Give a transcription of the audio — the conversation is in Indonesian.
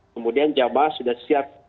kemudian jamaah sudah siap